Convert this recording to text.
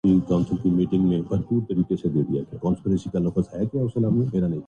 بے صرفہ ہی گزرتی ہے ہو گرچہ عمر خضر